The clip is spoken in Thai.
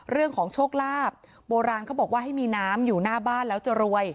เรื่องของโชคลาภโบราณเขาบอกว่าให้มีน้ำอยู่หน้าบ้านแล้วจะรวย